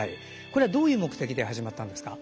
これはどういう目的で始まったんですか？